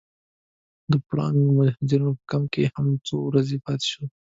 د پراګ د مهاجرو په کمپ کې هم څو ورځې پاتې شوو.